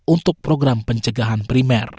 untuk program pencegahan primer